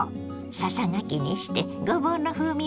ささがきにしてごぼうの風味を味わう